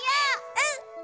うん！